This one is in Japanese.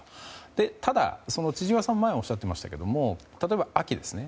ただ、千々岩さんも前におっしゃってましたけど例えば、秋ですね。